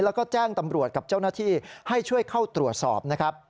แล้วก็แจ้งตำรวจกับเจ้าหน้าที่ให้ช่วยเข้าตรวจสอบนะครับ